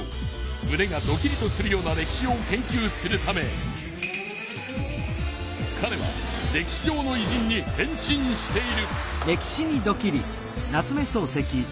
むねがドキリとするような歴史を研究するためかれは歴史上のいじんに変身している。